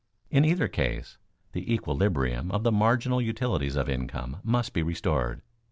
In either case the equilibrium of the marginal utilities of income must be restored.